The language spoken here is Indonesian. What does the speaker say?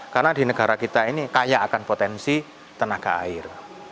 karena di negara kita ini kaya akan potensi tenaga air